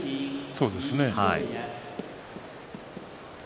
そうですね。